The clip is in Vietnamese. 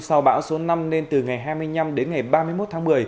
sau bão số năm nên từ ngày hai mươi năm đến ngày ba mươi một tháng một mươi